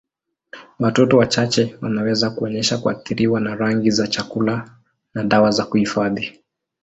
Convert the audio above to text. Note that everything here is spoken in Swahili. Watoto wachache wanaweza kuonyesha kuathiriwa na rangi za chakula na dawa za kuhifadhi.